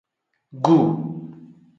Gu.